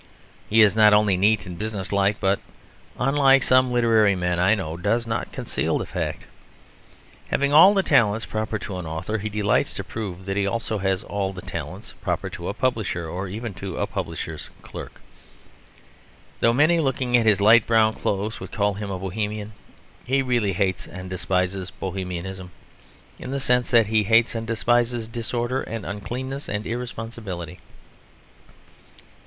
He is not only neat and business like; but, unlike some literary men I know, does not conceal the fact. Having all the talents proper to an author, he delights to prove that he has also all the talents proper to a publisher; or even to a publisher's clerk. Though many looking at his light brown clothes would call him a Bohemian, he really hates and despises Bohemianism; in the sense that he hates and despises disorder and uncleanness and irresponsibility.